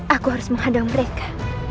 aku harus menghadang mereka